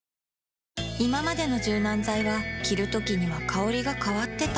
いままでの柔軟剤は着るときには香りが変わってた